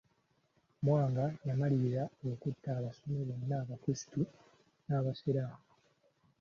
Mwanga yamalirira okutta abasomi bonna Abakristu n'Abasiraamu.